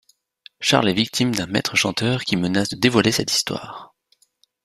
Charles est victime d'un maître-chanteur qui menace de dévoiler cette histoire.